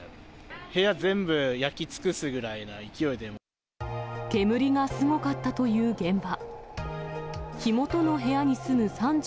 部屋全部焼き尽くすぐらいの勢い煙がすごかったという現場。